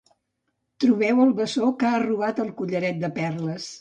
Trobeu el bessó que ha robat el collaret de perles.